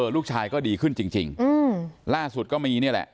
ลูกชายก็ดีขึ้นจริงล่าสุดก็มีนี่แหละ